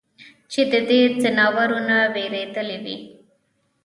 چې د دې ځناورو نه وېرېدلے وي ؟